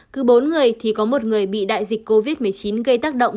cứ bốn người thì có một người bị đại dịch covid một mươi chín gây tác động